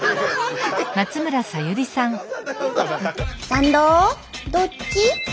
「サンドどっち」！